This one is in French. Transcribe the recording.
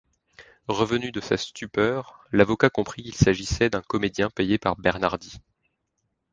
Revenu de sa stupeur, l'avocat comprit qu'il s'agissait d'un comédien payé par Bernardy.